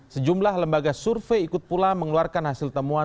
sejumlah lembaga survei ikut pula mengeluarkan hasil temuan